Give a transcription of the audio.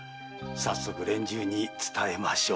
早速連中に伝えましょう。